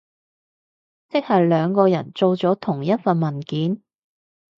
即係兩個人做咗同一份文件？